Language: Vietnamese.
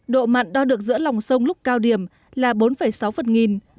độ mặn đo được giữa lòng sông lúc cao điểm là bốn sáu phần nghìn